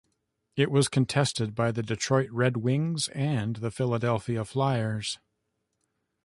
It was contested by the Detroit Red Wings and the Philadelphia Flyers.